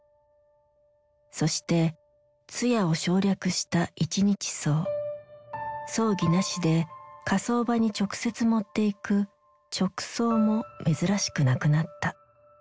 そして通夜を省略した「一日葬」葬儀なしで火葬場に直接持っていく「直葬」も珍しくなくなった。